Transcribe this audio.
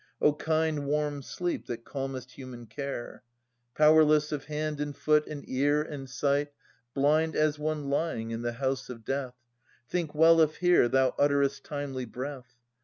(O kind, warm sleep that calmest human care!) Powerless of hand and foot and ear and sight. Blind, as one lying in the house of death. (Think well if here thou utter est timely breath.)